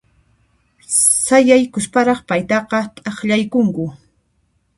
Sayaykusparaq paytaqa t'aqllaykunku.